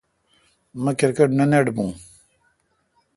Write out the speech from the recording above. مہ کرکٹ نہ نٹ بون۔